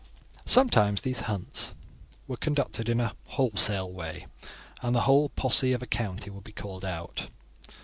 Sometimes these hunts were conducted in a wholesale way, and the whole posse of a county would be called out.